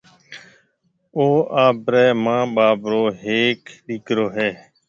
او آپرَي مان ٻاپ رو ھيَََڪ ڏيڪرو ھيََََ